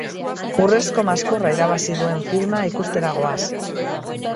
Urrezko maskorra irabazi duen filma ikustera goaz.